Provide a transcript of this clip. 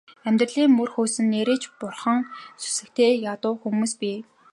Амьдралын мөр хөөсөн нээрээ ч бурханд сүсэгтэй ядуу хүмүүс бий.